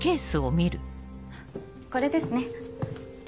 これですね。